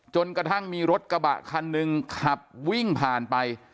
จนกระทั่งมีรถกระบะคันหนึ่งขับวิ่งผ่านไป